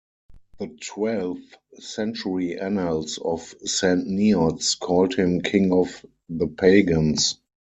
The twelfth-century Annals of Saint Neots called him "king of the pagans".